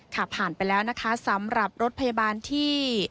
ค่ะผ่านไปแล้วนะคะสำหรับรถพยาบาลที่